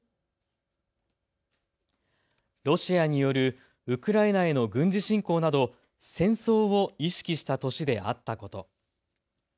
ロシアによるウクライナへの軍事侵攻など戦争を意識した年であったこと。